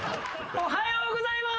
おはようございます。